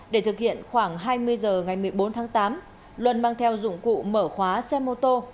để thực hiện khoảng hai mươi h ngày một mươi bốn tháng tám luân mang theo dụng cụ mở khóa xe mô tô